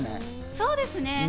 そうですね。